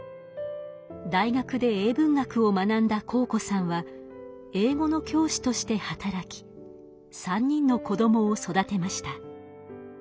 大学で英文学を学んだ幸子さんは英語の教師として働き３人の子どもを育てました。